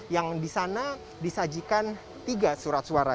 yang di sana disajikan tiga surat suara